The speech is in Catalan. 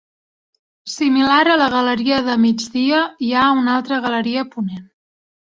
Similar a la galeria de migdia hi ha una altra galeria a ponent.